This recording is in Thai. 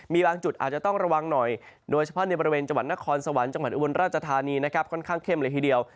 มีบางจุดอาจจะต้องระวังหน่อยโดยเฉพาะในบริเวณจังหวัดนครสวรรค์จังหวัดอุบลราชธานีนะครับค่อนข้างเข้มเลยทีเดียว